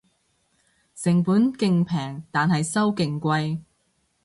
成本勁平但係收勁貴